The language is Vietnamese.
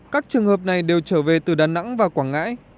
các trường hợp này đều trở về từ đà nẵng và quảng ngãi